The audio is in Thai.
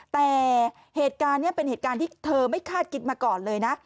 แต่เหตุการณ์นี้เป็นเหตุการณ์ที่เธอไม่คาดคิดมาก่อนเลยนะ